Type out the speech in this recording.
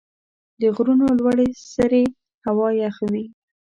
د غرونو لوړې سرې هوا یخ وي.